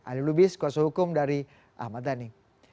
ali lubis kuasa hukum dari ahmad dhani